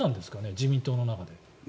自民党の中で。